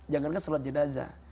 janganlah sulat jenazah